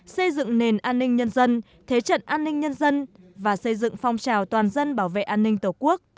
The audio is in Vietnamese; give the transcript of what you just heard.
xây dựng nền an ninh nhân dân thế trận an ninh nhân dân và xây dựng phong trào toàn dân bảo vệ an ninh tổ quốc